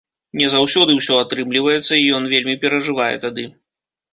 Не заўсёды ўсё атрымліваецца, і ён вельмі перажывае тады.